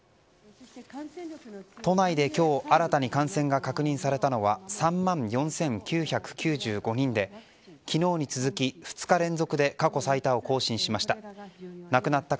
都内で今日新たに感染が確認されたのは３万４９９５人で昨日に続き２日連続で過去最多を更新しました。